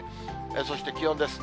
そして気温です。